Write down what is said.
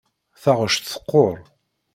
Taɣect teqquṛ.